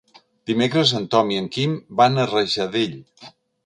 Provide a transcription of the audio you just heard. Dimecres en Tom i en Quim van a Rajadell.